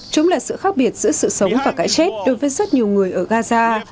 chúng là sự khác biệt giữa sự sống và cái chết đối với rất nhiều người ở gaza